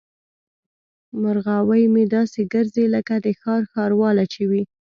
مرغاوۍ مې داسې ګرځي لکه د ښار ښارواله چې وي.